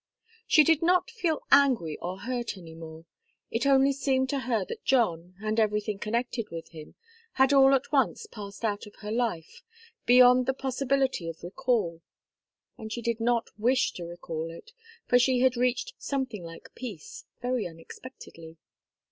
She did not feel angry or hurt any more. It only seemed to her that John, and everything connected with him, had all at once passed out of her life, beyond the possibility of recall. And she did not wish to recall it, for she had reached something like peace, very unexpectedly.